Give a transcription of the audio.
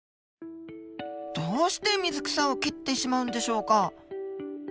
どうして水草を切ってしまうんでしょうか？